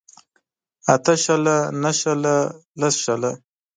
اته شله نهه شله لس شله